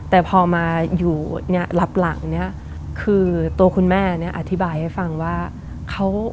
แต่พอมาอยู่หลับหลังคือตัวคุณแม่อธิบายให้ฟังว่า